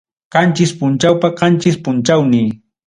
qanchis punchawpa qanchis punchawmi.